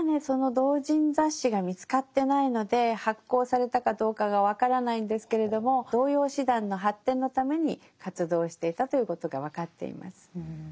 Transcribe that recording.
その同人雑誌が見つかってないので発行されたかどうかが分からないんですけれども童謡詩壇の発展のために活動をしていたということが分かっています。